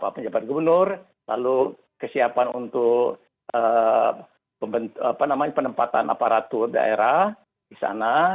penjabat gubernur lalu kesiapan untuk penempatan aparatur daerah di sana